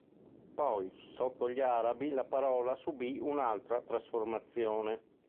Poi, sotto gli Arabi, la parola subì un'altra trasformazione.